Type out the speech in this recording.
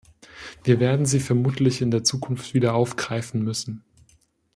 Wir werden sie vermutlich in der Zukunft wieder aufgreifen müssen.